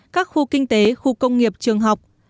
các khu kinh tế khu công nghiệp trường học